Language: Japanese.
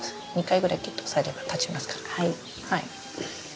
２回ぐらいきゅっと押さえれば立ちますから。